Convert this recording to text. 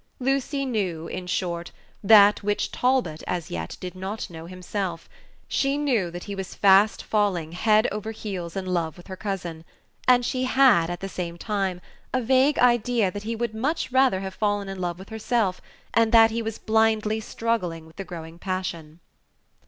Lucy knew, in short, that which Talbot as yet did not know himself she knew that he was fast falling head over heels in love with her cousin, and she had, at the same time, a vague idea that he would much rather have fallen in love with herself, and that he was blindly struggling with the growing passion.